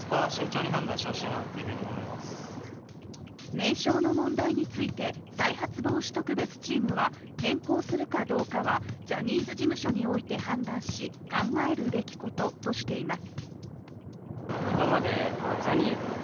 名称の問題について再発防止特別チームは変更するかどうかはジャニーズ事務所において判断し、考えるべきこととしています。